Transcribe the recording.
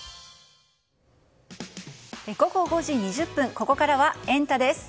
ここからはエンタ！です。